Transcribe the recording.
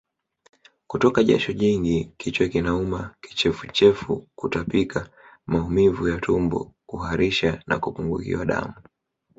Kutoka jasho jingi kichwa kuuma Kichefuchefu Kutapika Maumivu ya tumboKuharisha na kupungukiwa damu